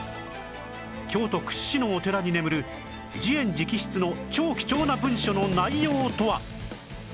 京都屈指のお寺に眠る慈円直筆の超貴重な文書の内容とは？